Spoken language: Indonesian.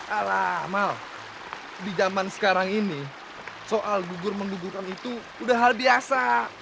ala amal di zaman sekarang ini soal gugur menggugurkan itu udah hal biasa